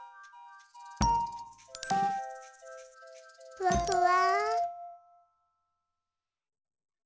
ふわふわ。